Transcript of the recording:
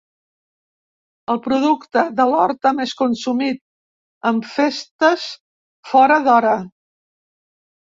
El producte de l'horta més consumit en festes fora d'hora.